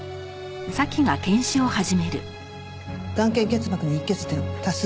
眼瞼結膜に溢血点多数。